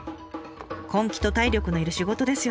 根気と体力の要る仕事ですよね。